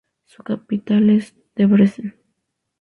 Su capital es Debrecen.